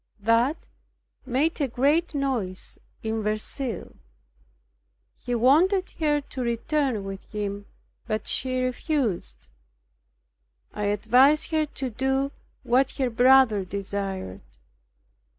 That made a great noise in Verceil. He wanted her to return with him, but she refused. I advised her to do what her brother desired.